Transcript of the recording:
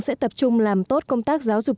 sẽ tập trung làm tốt công tác giáo dục